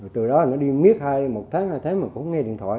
từ đó nó đi miết một tháng hai tháng mà cũng không nghe điện thoại